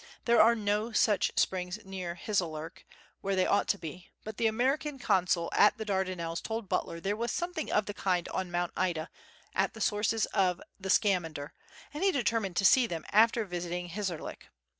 There are no such springs near Hissarlik, where they ought to be, but the American Consul at the Dardanelles told Butler there was something of the kind on Mount Ida, at the sources of the Scamander, and he determined to see them after visiting Hissarlik.